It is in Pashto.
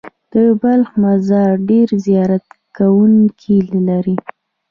د بلخ مزار ډېر زیارت کوونکي لري.